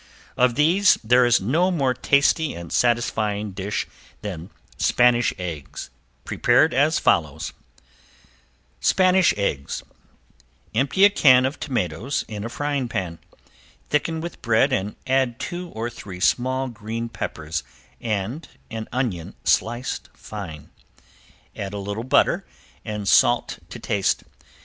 Of these there is no more tasty and satisfying dish than Spanish Eggs, prepared as follows: Spanish Eggs Empty a can of tomatoes in a frying pan; thicken with bread and add two or three small green peppers and an onion sliced fine. Add a little butter and salt to taste.